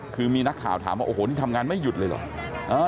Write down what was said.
คือมีนักข่าวถามว่าโอ้โหนี่ทำงานไม่หยุดเลยเหรอ